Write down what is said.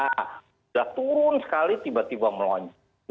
sudah turun sekali tiba tiba melonjak